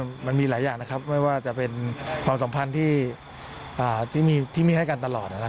มันมีหลายอย่างนะครับไม่ว่าจะเป็นความสัมพันธ์ที่มีให้กันตลอดนะครับ